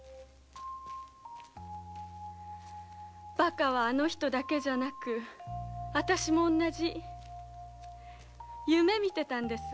バカはあの人だけじゃなく私も同じ夢見てたんです。